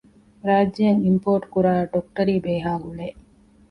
ރާއްޖެއަށް އިމްޕޯޓްކުރާ ޑޮކްޓަރީ ބޭހޭގުޅޭ